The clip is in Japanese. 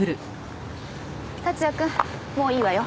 竜也くんもういいわよ。